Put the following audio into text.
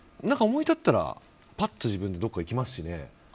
思い立ったらパッと自分でどこか行きますしね。